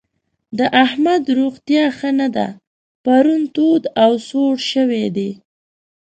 د احمد روغتيا ښه نه ده؛ پرون تود او سوړ شوی دی.